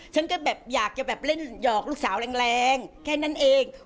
ฉันก็แบบอยากจะแบบเล่นหยอกลูกสาวแรงแค่นั้นเอง